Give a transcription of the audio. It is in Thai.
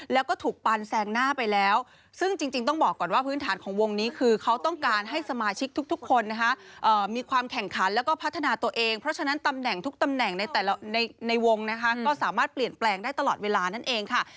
แล้วก็ถูกปันแซงหน้าไปแล้วซึ่งจริงต้องบอกก่อนว่าพื้นฐานของวงนี้คือเขาต้องการให้สมาชิกทุกคนนะคะมีความแข่งขันแล้วก็พัฒนาตัวเองเพราะฉะนั้นตำแหน่งทุกตำแหน่งในแต่ละในวงนะคะก็สามารถเปลี่ยนแปลงได้ตลอดเวลานั่นเองค่ะ